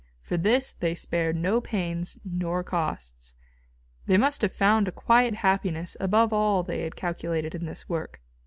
For this they spared no pains nor costs. They must have found a quiet happiness above all they had calculated in this work.